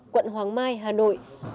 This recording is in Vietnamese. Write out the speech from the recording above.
quận hoàng mai hà nội